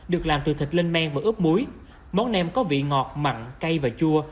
được làm từ thịt lênh men và ướp muối món nêm có vị ngọt mặn cay và chua